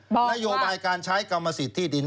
บอกว่านโยบายการใช้กรรมสิทธิดิน